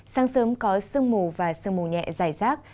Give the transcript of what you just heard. tấm có sương mù và sương mù nhẹ dài rác